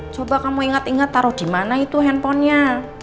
coba kamu inget inget taro dimana itu handphonenya